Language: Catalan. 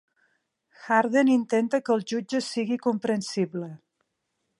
Harden intenta que el jutge sigui comprensible.